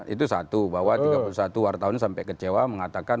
itu satu bahwa tiga puluh satu wartawan sampai kecewa mengatakan